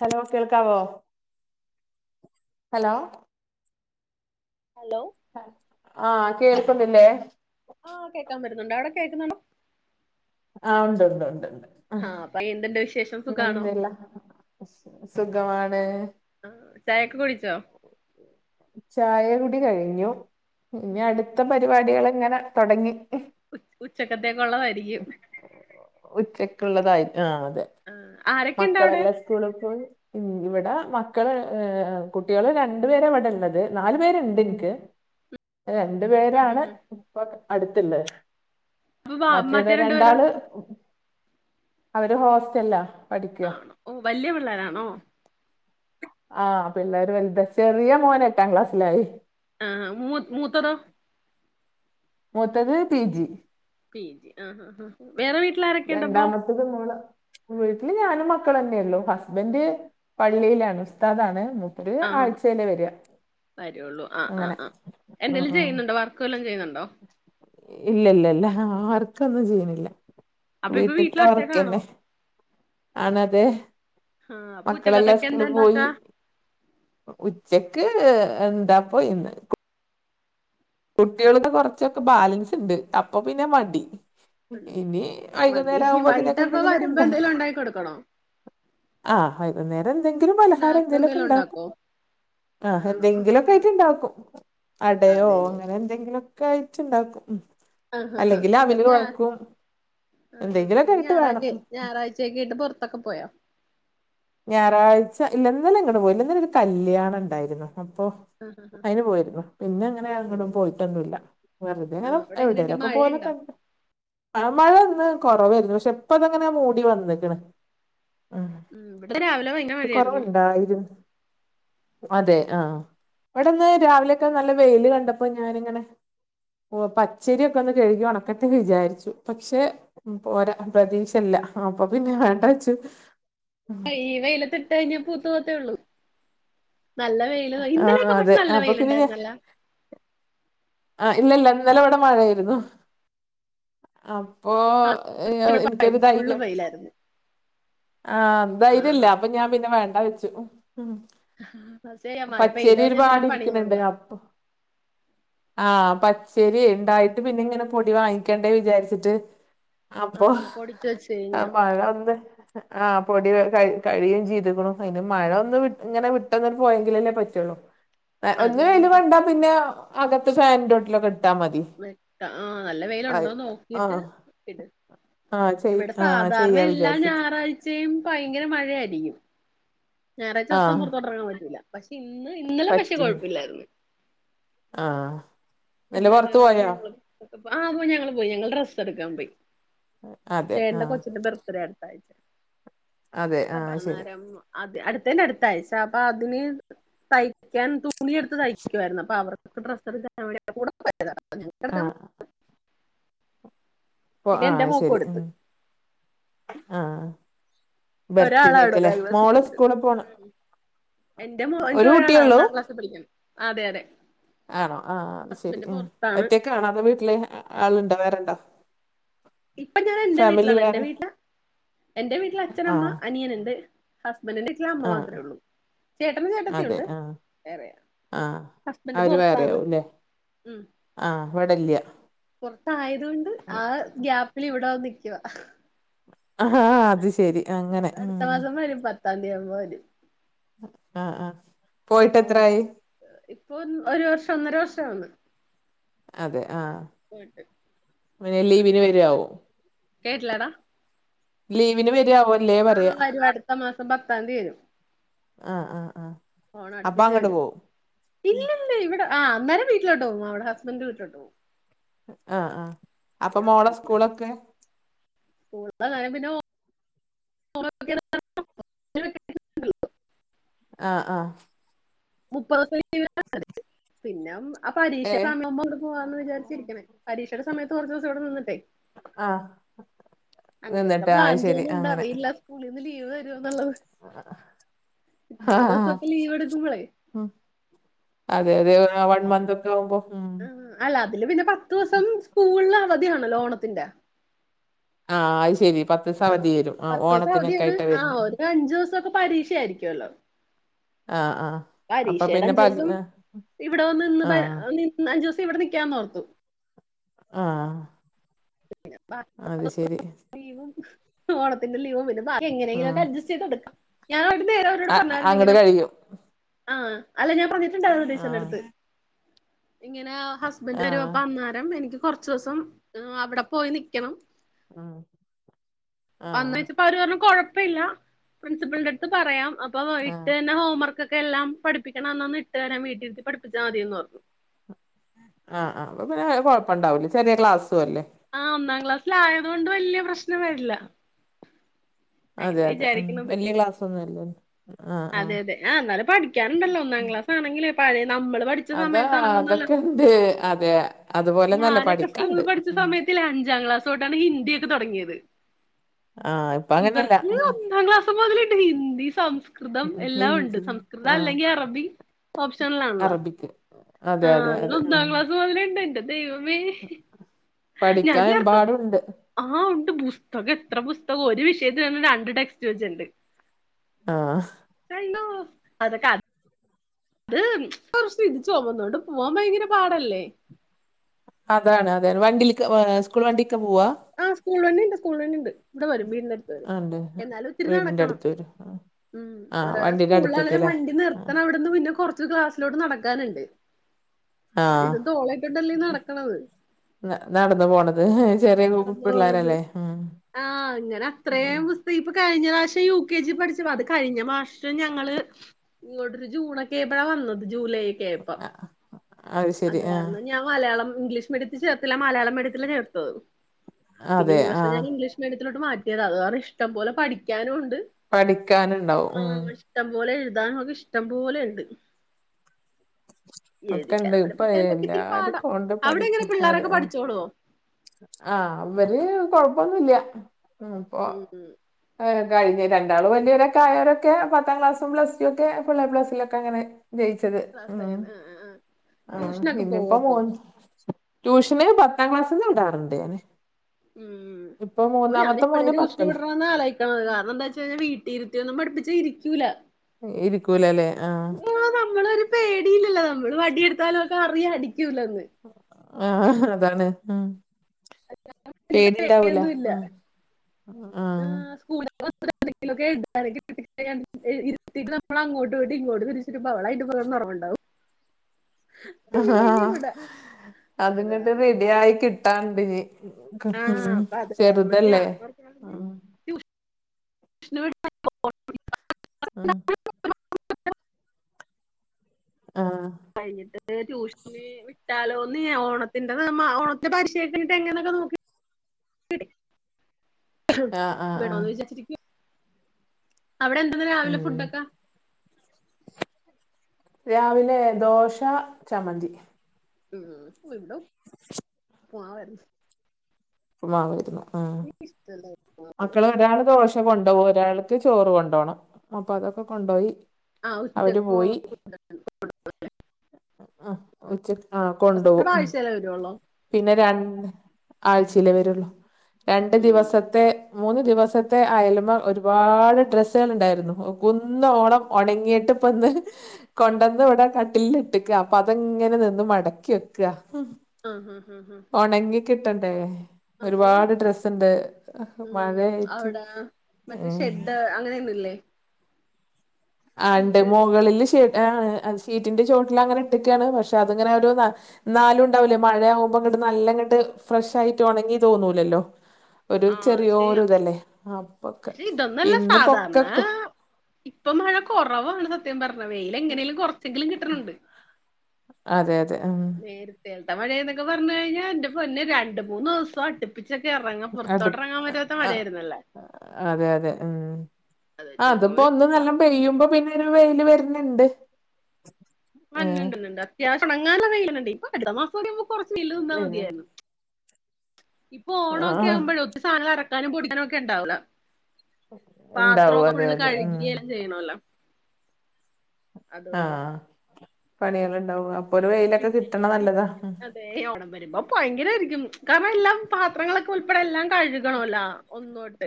Hello കേൾക്കാവോ? Hello hello ആഹ് കേൾക്കുന്നില്ലേ? ആഹ് കേൾക്കാൻപറ്റുന്നുണ്ട്. അവിടെ കേക്കുന്നുണ്ടോ? ആഹ് ഒണ്ടൊണ്ടൊണ്ടുണ്ട്. ആഹ് അപ്പ എന്തുണ്ട് വിശേഷം? സുഖാണോ പിന്നൊന്നുല്ല സുഖമാണ്. ആഹ് ചായക്കെ കുടിച്ചോ? ചായ കുടി കഴിഞ്ഞു. ഇനി ഉം അടുത്ത് ത്ത പരിപാടികളിങ്ങനെ തൊടങ്ങി. ഉ ഉച്ചക്കത്തേക്കൊള്ളതാരിക്കും. ഉച്ചക്കുള്ളതായി. ആഹ് അതെ. ആഹ് ആരൊക്കെയുണ്ട് അവിടെ മക്കളെല്ലാം സ്കൂളിൽ പോയി. ഇവിടെ മക്കള് ഏ കുട്ടികള് രണ്ടു പേര് ഇവിടെ ള്ളത്. നാലു പേര്ണ്ടെനിക്ക്. രണ്ടു ഉം ഉം പേരാണ് ഉം ഇപ്പൊ അടുത്ത് ള്ളത്. അപ്പൊ വ മറ്റേത് മറ്റേ രണ്ടു പേരോ രണ്ടാള്, അവര് ഹോസ്റ്റൽലാ. ആണോ? ഓ വല്യ പിള്ളാരാണോ? ആഹ് പിള്ളേര് വലുതാ. ചെറിയ മോൻ എട്ടാം ക്ലാസ്സിലായി. ആഹ് മൂ മൂത്തതോ? മൂത്തത് പി ജി. P G. ആഹ് ആഹ് ആഹ് വേറെ വീട്ടിലാരൊക്കെയൊണ്ടപ്പോ? പിന്നൊരു മോള്. വീട്ടില് ഞാനും മക്കളന്നെള്ളൂ. ഹസ്ബൻഡ് പള്ളിയിലാണ്, ഉസ്താദാണ് ഓല് ആഹ് ആഴ്ചേല് വര്വാ. വരുള്ളൂ. ആഹ് ആഹ് ആഹ് ഉം എന്തേലും ഉം ചെയ്യുന്നുണ്ടോ? വർക്ക് വല്ലോം ചെയ്യുന്നുണ്ടോ? ഇല്ലില്ലില്ല. വർക്കൊന്നും ചെയ്യിണ്ല്ല. അപ്പൊ ഇപ്പൊ വീട്ടില് ഒറ്റക്കാണോ വീട്ടിത്തെവർക്കന്നെ ആണതെ. ആഹ് അപ്പൊ മക്കളെല്ലാം ഉച്ചക്കത്തൊക്കെ എന്താ സ്കൂളി ഉണ്ടാക്കാ പോയി. ഉച്ചക്ക് ഏ എന്താപ്പോ ഇന്ന്? കുട്ടികള്ക്ക് കൊറച്ചൊക്കെ ബാലൻസ് ഇണ്ട്. അപ്പൊ പിന്നെ മടി ഇനി മതി വൈകുന്നേരം ആവുമ്പോ അതിനൊക്കെ വൈകിട്ടപ്പ എന്തെങ്കിലുമൊക്കെ വരുമ്പോ ഉണ്ടാ എന്തേലും ഉണ്ടാക്കി കൊടുക്കണോ ആഹ് വൈകുന്നേരം എന്തെങ്കിലും പലഹാരം സ്നാക്സ് എന്തേലുമൊക്കെ എന്തെലും ഉണ്ടാക്കും. ഉണ്ടാക്കോ? ആഹ് ആണോ എന്തെങ്കിലൊക്കെ ആയിട്ടുണ്ടാക്കും. അടയോ അതെല്ലേ അങ്ങനെ എന്തെങ്കിലൊക്കെ ആയിറ്റുണ്ടാക്കും. ഉം ആഹ് ആഹ് ആഹ് അല്ലെങ്കിൽ അവില് ഇന്നലെ ഞാ കുഴക്കും എന്തെങ്കിലുമൊക്കെ ആയിട്ട് വേണം ഞായറല്ലേ ഉം. ഞായറാഴ് [unintelligible] കിട്ട് പുറത്തക്കെ പോയോ? ഞായറാഴ്ച. ഇല്ല ഇന്നലെ എങ്ങടും പോയില്ല. ഒരു കല്യാണം ണ്ടായിരുന്നു അപ്പൊ ആഹ് ആഹ് അയിന് പോയിരുന്നു. പിന്നങ്ങനെ ഞാൻ അതെ എങ്ങടും പോയിട്ടൊന്നുമല്ല വെറുതെ ഇങ്ങനെ ആഹ് അവിടെ എങ്ങനെയുണ്ട് എവിടേലും ഒക്കെ പോലെ മഴയുണ്ടോ? കണ്ട ആഹ് മഴ ഇന്ന് കൊറവാരുന്നു. പക്ഷെ ഇപ്പ ഇതിങ്ങനെ മൂടി വന്നേക്കണ്. ഉം ഉം. ഇവിടെ രാവിലെ വൈ കൊറവുണ്ടായിരുന്ന്. അതെ ആഹ്. ഇവിടിന്ന് രാവിലെയൊക്കെ നല്ല വെയില് കണ്ടപ്പോ ഞാനിങ്ങനെ ഓ പച്ചരിയൊക്കെ ഒന്ന് കഴുകി ഉണക്കട്ടേന്ന് വിചാരിച്ചു. പക്ഷെ ഉം. പോരാ, പ്രതീക്ഷല്ല. അപ്പൊ പിന്നെ വേണ്ടാ വെച്ചു. ഈ വെയിലത്ത് ഇട്ട് കഴിഞ്ഞാ പൂത്തു പോത്തേ ഉള്ളൂ. നല്ല വെയില് ആ ഇന്നലെയൊക്കെ പക്ഷെ അതെ നല്ല അപ്പൊ പിന്നെ വെയിലുണ്ടാരുന്നല്ലാ ആഹ് ഇല്ലില്ല. ഇന്നലെ ഇവിടെ മഴയാരുന്നു. അപ്പോ ആഹ് ഇവിടെ എനിക്കത് ഫുള്ള് കഴിക്കം. വെയിലായിരുന്നു ആഹ്‌ ദൈരല്യ ആഹ് അപ്പൊ ഞാൻ പിന്നെ വേണ്ട വെച്ചു മ്. ആഹ് ശരിയാ മഴ പെയ്ത് പച്ചേരി കഴിഞ്ഞാ പിന്നെ ഒരുപാട് ഇരിക്ക്ണ്ണ്ട് പണിയാണല്ലോ അപ്പൊ ആഹ് പച്ചരി ഇണ്ടായിട്ട് പിന്നെ ഇങ്ങനെ പൊതി വാങ്ങിക്കണ്. ന്ന് വിചാരിച്ചിട്ട് അപ്പൊ ആഹ് പൊടിച്ചു വെച്ച് കഴിഞ്ഞാ മഴ ഒന്ന് ആ പൊടി ക കരിയും ചെയ്തുക്കുണു അതിന് മഴൊന്ന് ഇങ്ങനെ വിട്ടന്ന പോയങ്കിലല്ലേ പറ്റുള്ളൂ. ഒന്ന് ല് അതെല്ലേ കണ്ടാ പിന്നെ അകത്ത് ഫാൻറ്റോട്ടിലൊക്കെ ഇട്ടാ മതി. വെൻ ട്ടാ ആഹ്‌ നല്ല വെയിലുണ്ടോന്നോക്കിട്ട് ആഹ് ഇട്. ആഹ് ചെയ് ഇവിടെ ആഹ് സാധാരണ ചെയ്യാ എല്ലാ വിചാരിച്ചിട്ട് ഞായറാഴ് ചെയ്യും ഭയങ്കര മഴ ആയിരിക്കും ഞായറാഴ്ച്ച വസം ആഹ് പുറത്തുട്ടറങ്ങാൻ പറ്റൂല്ല. പക്ഷെ ഇന്ന് ഇന്നലെ പക്ഷെ കുഴപ്പില്ലായിര്ന്ന്. ആഹ്‌. ഇല്ലാതെ അത് ഞങ്ങള് ആ പോയി ഞങ്ങള് പോയി ഞങ്ങള് ഡ്രസ് എടുക്കാൻ പോയി. അതെ ചേന്റെ ആഹ് കൊച്ചിന്റെ ബർത്ത്ഡേ അടുത്ത ആഴ്ച അതെ അപ്പ ആഹ് ശരി അന്നേരം. അത് അടുത്തേന്റെ അടുത്തഴ്ച അപ്പൊ അതിന് തയ്ക്കാൻ തുണിയ എടുത്ത് തയ്ക്കായിരുന്നു അപ്പൊ അവർ അവര്ക് ഡ്രസ്സ്‌ എടുക്കാൻ കൂടെ പോയതാ അപ്പൊ ഞങ്ങള് എടക്ക ആഹ് പിന്നെ എന്റെ മോക്ക് കൊടുത്ത്. ആഹ്‌ ഒരാളാവിടെ ബർത്ത്ഡേക്ക്ല്ലേ ഒന്നാം ക്ലാസ്സിൽ മോളെ പഠിക്കുന്നു സ്കൂള് പോണ് ഉം എന്റെ ഒരു മോന്ക്ക് എള കുട്ടിയേള്ളൂ ഒന്നാം ക്ലാസ്ൽ പഠിക്കണ് അതെ അതെ. ആണോ ആഹ്‌ അത് ശെരി ഹസ്ബൻഡ് മ് ആ പുറത്താണ് ഒറ്റയക്കെ ആണോ അപ്പോ വീട്ടില് ആളുണ്ടോ വേറെണ്ടോ? ഇപ്പൊ ഞാൻ എന്റെ ഫാമിലി വീട്ടിലാണ് എന്റെ വേറെ വീട്ടില എന്റെ വീട്ടില് ആ അച്ഛനമ്മ അനിയൻ ഇണ്ട്. ഹസ്ബൻഡീട്ടില അമ്മ ആ മാത്രോള്ളു. ചേട്ടനു ചേട്ടത്തിയു അതെ ഉണ്ട് ആ വറെ ആ ഹസ്ബന്റ് അവര് പുറത്താണ്. വേറെയാവുംല്ലേ ഉം. ആ വെടല്യ. പുറത്ത് ആയതോണ്ട് ആ ഗ്യാപ്പിൽ ഇവിടെ വെന്ന് നിൽക്കുവാ. ആഹ് അത് ശെരി അങ്ങനെ ഉം. തലിയ മാര്. ആഹ് ആഹ്‌ പോയിട്ട് എത്രായി? ഓണം ഇപ്പൊ ഒരു വർഷം ഒന്നര വർഷ ആവ്ന്ന്. അതെ ആ. പോയിട്ട് പിന്നെ ലീവിന് വരാവും [unintelligible] കേട്ടലടാ ലീവിന് പര്യാവോ. ആഹ്‌ വരും അടുത്ത മാസം പത്താതി വരും. ആഹ്‌ ആഹ്‌ ആഹ്‌ അപ്പാ അങ്ങോട്ട് പോവും. ഇല്ല ഇല്ല ഇവിടെ ആ അന്നേരം വീട്ടിലോട്ട് പോവു അവിടെ ഹസ്ബൻഡ് വീട്ടിലട്ട് പോവു. ആഹ്‌ ആ അപ്പൊ മോളെ സ്കൂളൊക്കെ? സ്കൂൾണ്ടേ കാ പിന്നെ ഓ [unintelligible] ആഹ്‌ ആഹ്‌ [unintelligible] പിന്നെ ആ ഏ പരീക്ഷ സമയവു പോവാന്ന് വിചരിച്ചിരിക്കേ പരീക്ഷയുടെ സമയത്ത് കൊറച്ചൂസം ഇവിടെ നിന്നിട്ടേ. ആഹ്. അങ്ങനെയൊക്കെ നിന്നിട്ട് ആഹ് പ്ലാൻ ശരി ചെയിണ്ട് അങ്ങനെ അറിയില്ല. സ്കൂളിന്ന് ലീവ് തരുവോ എന്നുള്ളത് ഇത്രയും ആഹ് ദിവസൊക്കെ ലീവ് എടുക്കുമ്പളേ. ഉം അതെ അതെ വൺ മന്ത് ഒക്കെ ആവുമ്പോ. ഉം അല്ല അതില് പിന്നെ പത്ത് ദിവസം സ്കൂളില് അവധിയാണല്ലോ ഓണത്തിന്റെ. ആഹ് അയി ശരി പത്തീസം ആഹ് അവധി വരും ആ പത്ത് ദിവസം ഓണത്തിനൊക്കെ അവധിയാണ് ആയിട്ട് ആഹ് വരുന്ന. ഒരു അഞ്ചുസൊക്കെ പരീക്ഷയായിരിക്കുവല്ലോ. ആഹ് ആഹ് അപ്പൊ പരീക്ഷയുടെ പിന്നെ പക് അഞ്ചിവസം ഇവിടെ നിന്ന് പ ആഹ് നിൻ എന്നാ [unintelligible] ഇവിടെ നിക്കാന്ന് നോർത്തു. ആഹ [unintelligible] പിന്നെ ബാക്ക എങ്ങനെങ്കിലും ഉം ഒക്കെ അഡ്ജസ്റ്റ് ചെയ്ത് കൊടുക്കാം. ഞാൻ [unintelligible] അവരോട് അ പറഞ്ഞായിരുന്ന അങ്ങട് ഇങ്ങനെ കഴിയും ആ അല്ല ഞാൻ പറന്നിട്ടുണ്ടായിശന്റെ ആഹ് അടുത്ത് ഇങ്ങനെ ആഹ് [unintelligible] അന്നേരം എനിക്ക് കുറചോസം അവിടെ പോയി നൽക്കണം. ആഹ [unintelligible] അവർ പറഞ്ഞ് കൊഴപ്പല്ല പ്രിൻസിപ്പലിന്റെ അടുത്ത് പറയാം അപ്പൊ ഇട്ട് ആഹ് തന്ന ഹോംവർക്ക് ക്കെല്ലാം പഠിപ്പിക്കണഎന്നന്ന ഇട്ട് തരാ വീട്ടിരുത്തി പഠിച്ചൽ മതിയന്ന് പറഞ്ഞു. ആഹ ആ അപ്പ പിന്നെ കൊഴപ്പം ഉണ്ടാവില്ലേ ചെറിയ ക്ലാസ്സും അല്ലേ. ആ ഒന്നാം ക്ലാസ്സിൽയതു കൊണ്ട് വലിയ പ്രശ്നം വരില്ല. അങ്ങനെ അതെ അതെ ഉ വിചാരിക്കണത് വല്യ ക്ലാസ്സ ഒന്നും അല്ലെ? അതെ അതെ ആ എന്നാലും പഠിക്കാുണ്ടല്ലോ? ഒന്നാം ക്ലാസ് ആണെങ്കിൽ പഴ നമ്മള് പഠിച്ച അതാ സമയത്താണെങ്കിന്നല്ല അതൊക്കെ ഉണ്ട് അതെ അതുപോലെന്നല്ല ഞാനൊക്കെ പഠിക്കാണ്ട്. സ്കൂളിൽ പഠിച്ച സമയത്തില്ലേ അഞ്ചാം ക്ലാസൊട്ടാണ് ഹിന്ദി ഒക്കെ തുടങ്ങിയത്. ആഹ് ഇപ്പ അങ്ങനെയല്ല ഇവർക്ക് ഉം ഒന്നാം ക്ലാസ് [unintelligible] മുതലിട്ട് ഹിന്ദി സംസ്കൃതം ഉം എല്ലാം ഉണ്ട്. ഹിന്ദി സംസ്കൃതം ആഹ് അല്ലെങ്കിൽ അറബി. ഓപ്ഷനൽാണല്ലോ അറബിക്ക് ആ അതെ അതെ അതെ ഉം ഒന്നാം ക്ലാസ് മുതലുണ്ട്. ന്റെ ദൈവമേ [unintelligible] ഞാൻ ചേർത്ത്. എമ്പാടുണ്ട് ആഹ ഉണ്ട്. പുസ്തകം എത്ര പുസ്തകം ഒരു വിഷയത്തി തന്നെ രണ്ട് ടെക്സ്റ്റ് വെച്ച് ഉണ്ട്. ആഹ [unintelligible] അത് കുറച്ച് ഇത് ചൊമന്നോണ്ട് പോകാൻ ഭയങ്കര പാടല്ലേ? അതാണ് അതാണ് വണ്ടിക്ക് സ്കൂൾ വണ്ടിക്കെ പോവാ? ആഹ് സ്കൂൾ വണ്ടി ഉണ്ട്. സ്കൂൾ വണ്ടി ഉണ്ട്. ഇവിടെ വര വീടിന് അടുത്ത്. ആ, ഉണ്ട് എന്നാലും ഇത്തിരി നട വീടിന്റെ അടുത്ത [unintelligible] ഉം ഒ സ്കൂളിലാണെ വണ്ടി ആഹ് നിർത്തണ അവിടു പിന്നെ കുറച്ച് ക്ലാസ്സിലോട്ട് നടക്കാനുണ്ട്. എന്ന ആഹ് ഇത തോളിയിട്ടല്ലേ നടക്കണത്. നടന്നു പോണത്. ചെറിയ കുപ്പ കടന്നു പോണത് പിള്ളേരല്ലേ? ആഹ് അങ്ങനെ ഉ അത്രയും പുസ്തകം ഇപ്പൊ കഴിഞ്ഞ പ്രാവശ്യം യു കെ ജി പഠിച്ച അത് കഴിഞ്ഞ മാഷം ഞങ്ങള് ഇങ്ങോട്ടൊരു ജൂണൊക്കെ ആയപ്പോഴാ വന്നത് ജൂലൈക്കെ ആയപ്പ ശരി അത് ആഹ് കാരണം ഞാൻ മലയാളം ഇംഗ്ലീഷ് മീഡിയത്തി ചേർത്തില്ല. മലയാളം മീഡിയത്തിലാ ചേർത്തത്. പിന്നെ അതെ ഈ വർഷം ആഹ് ഞാൻ ഇംഗ്ലീഷ് മീഡിയത്തിലോട്ട് മാറ്റിയതാ അത് വേറെ ഇഷ്ടം പോലെ പഠിക്കാനുംണ്ട്. പഠിക്കാനുണ്ടാവും ഉം. ഇഷ്ടം പോലെ എഴുതാനുള്ളത് ഇഷ്ടം പോലെണ്ട്. ഒക്കെ ഉണ്ട് എഴുതിക്കാനും ഇപ്പൊ പഠിപ്പിക്കാനൊക്കെ ഇത്തിരിപാട. എല്ലാർക്കും ഉണ്ട് അവിടെ പഠിക്ക എങ്ങനെ അതെ പിള്ളോരൊക്കെ ആഹ് പഠിച്ചോളോ? ആഹ് അവര് കൊഴപ്പൊന്നുംല്ല അപ്പൊ ഉം ഉം കഴിഞ്ഞ രണ്ടാളും വല്യോരായോരൊക്കെ പത്താം ക്ലാസും പ്ലസ് ടു ഒക്കെ ഫുള്ളേപ്ലസ്സിലൊക്കെ അങ്ങനെ ജയിച്ചത്. ക്ലാസ് ഉം ആഹ് ആഹ് ആ ട്യൂഷനൊക്കെ പോവോ പിന്നപ്പോ അപ്പൊ മോൻ ട്യൂഷന് പത്താം ക്ലാസ്സിന്ന് വിടാറുണ്ടേന്ന്. ഉം ഓ ഞാനിപ്പഴേ ഒരു മോന് ട്യൂഷന് പത്തിലാ വിടണന്ന ആലോയി കാരണം എന്താ വെച്ചഴിഞ്ഞാൽ വീട്ടിലിരുത്തി ഒന്നും പഠിപ്പിച്ച ഇരിക്കൂല. ഇരിക്കൂലലേ ആഹ്. പേടിയില്ലല്ലോ നമ്മള് വടിയെടുത്താലും ഓൽക്ക് അറിയ അടിക്കൂലന്ന്. ആഹ് അതാണ്. ഉം വലിയ പേടിണ്ടാവൂല. പേടിയൊന്നുല്ല ഉം ആഹ് [inaudible] [unintelligible] അഹാ അങ്ങനെയൊക്കെയാണ് ഇവിടെ അത് അത്ങ്ങട്ട് കാരണം റെഡിയായി കിട്ടാണ്ടിനി. ആഹ് ഉം അപ്പൊ അത് കാരണം ചെറുതല്ലേ? ഞാനോർക്കണത് ഉം ട്യൂഷന് വി ആഹ് ആഹ് കഴിഞ്ഞിട്ട് ട്യൂഷന് വിട്ടാലോന്ന് ഞ ഓണത്തിന്റെ ഓണത്തെ പരീക്ഷയിഞ്ഞിട്ട് എങ്ങനൊക്കെ നോക്കി ആഹ് ആഹ് ആഹ് വേണോന്ന് വിചാരിച്ചിരിക്കെനി അവിടെ എന്താന്ന് രാവിലെ ഉം ഫുഡക്കെ? രാവിലെ ദോശ, ചമ്മന്തി. [unintelligible] പോവരുന്നു. വാങ്ങിയിരുന്നു ആഹ്. [unintelligible] മക്കൾ ഒരാൾ ദോശ കൊണ്ടോകും, ഒരാൾക്ക് ചോറ് കൊണ്ടോണം. അപ്പൊ അതൊക്കെ കൊണ്ടോയി ആഹ് അവര് ഉച്ചക്ക് [inaudible] ആ കൊണ്ടോവും. ഉം ആഴ്ചേലെ വരുള്ളൂ. പിന്നെ രണ്ട് ആഴ്ചയിലേ വരുള്ളൂ, രണ്ട് ഉം ദിവസത്തെ മൂന്ന് ദിവസത്തെ അയലിമ്മേ ഒരുപാട് ഡ്രസ്സെള്ണ്ടായിരുന്നു കുന്നോളം ഒണങ്ങിയിട്ട്പ്പൊന്ന് കൊണ്ടന്ന് ഇവിടെ കട്ടിലില് ഇട്ട്ക്ക അപ്പൊ അതെങ്ങനെ നിന്ന് മടക്കി വെക്കാ. ആഹ്, ആഹ്, ആഹ് ഒണങ്ങിക്കിട്ടണ്ടേ അതേ ഒരുപാട് ഡ്രസ്സ്ണ്ട്. അവിടെ മറ്റേ ഉം ഷെഡ് അങ്ങനെൊന്നുംല്ലേ? ആണ്ട് കെട്ടിയ മുകളില് [inaudible] ഷീറ്റിന്റെ ചോട്ടിലങ്ങനെ ഇട്ട്ക്കാണ് പക്ഷെ അത്ങ്ങനെ ഒരു [unintelligible] ന്നാലും ഉണ്ടാവൂല്ലേ മഴ ആകുമ്പോ ഇങ്ങട്ട് നല്ലങ്ങട്ട് ഫ്രഷ് ആയിട്ട് ഒണങ്ങി തോന്നൂലല്ലോ. ഒരു ആഹ് ചെറിയോരു ചെയ്യാം ഇതല്ലേ അപൊക്കെ പക്ഷെ ഇതൊന്നല്ല ഇന്ന് സാധാരണ പൊക്കക്ക ഇപ്പൊ മഴ കൊറവാണ് സത്യം പറഞ്ഞ വെയിലെങ്ങനേലും കൊറച്ചെങ്കിലും കിട്ടണണ്ട്. അതെ അതെ ഉം. [unintelligible] മഴേന്നൊക്കെ പറഞ്ഞു കഴിഞ്ഞാ ന്റെ പൊന്നെ രണ്ട് മൂന്നോസം അടുപ്പി പപ്പിച്ചൊക്കെ ഇറങ്ങ പൊ അടു റത്തോട്ടിറങ്ങാൻ പറ്റാത്ത ആ മഴായിന്നല്ലാ അതെ അതെ ഉം അത് വെച്ച് നോക്കുമ്പോ അതിപ്പോ ഒന്ന് നല്ല ഇപ്പം പെയ്യുമ്പോ പിന്നെ രു വെയില് വരുന്നുണ്ട്. ആ ഏ ഉണ്ട് ഉണ്ട് ഉണ്ട്, അത്യാവശ്യംണങ്ങാനെ വെ യിലുണ്ട് [unintelligible] വരുന്നുണ്ട് മതിയായിരുന്നു ഇപ്പൊ ആ ഓണമൊക്കെ ആവുമ്പോഴ ഒത്തിരി സാധനം ഇറക്കാനും പൊടിക്കാനും ഒക്കെ ഉണ്ടാവൂല ഉണ്ടാവും പാത്രമൊക്കെ അതെ ഫുള്ള് ള്ള് അതെ കഴുക ഉം [unintelligible] ചെയ്യണല്ലോ? അതുകൊണ്ട് ആഹ്, പണികളുണ്ടാവും അപ്പൊ ഒരു വെയിലൊക്കെ കിട്ടണത് നല്ലതാ ഏ ഓണം വരുമ്പോ ഭയങ്കരമായിരിക്കും കാരണം എല്ലാം പാത്രങ്ങളുൾപ്പെടെ എല്ലാം കഴുകണല്ലോ. ഒ, ഉണ്ട്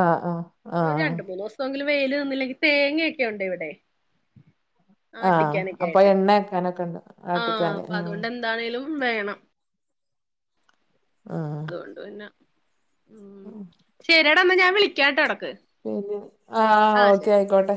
ആഹ്, ആഹ് ആഹ് രണ്ട മൂന്ന് ദിവസംങ്കിലും വെയിൽ നിന്നില്ലെങ്കി തേങ്ങയൊക്കെ ഉണ്ട് ഇവിടെ. ആ ആഹ് അട്ടിക്കാനൊക്കെ അപ്പൊ ആയിട്ട് എണ്ണ ആക്കാനൊക്കെ ഉണ്ട് ആഹ് ആട്ടിക്കാന് അപ്പൊ ആഹ് അതുകൊണ്ട് എന്താണേലും വേണം അതുകൊണ്ട് പിന്നെ ഉ ശരിയട ന്ന ഞാൻ വിളിക്കാട്ടോ ഇടക്ക്. ആ ആഹ് ഓക്കെ ശരി ആയിക്കോട്ടെ.